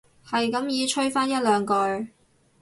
係咁依吹返一兩句